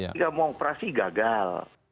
ketika mau operasi gagal